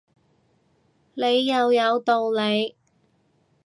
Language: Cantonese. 你又有道理